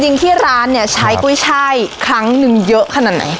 จริงที่ร้านเนี่ยใช้กุ้ยช่ายครั้งหนึ่งเยอะขนาดไหน